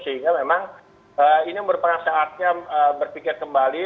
sehingga memang ini merupakan saatnya berpikir kembali